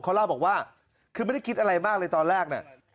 เขาเล่าบอกว่าคือไม่ได้คิดอะไรมากเลยตอนแรกเนี่ย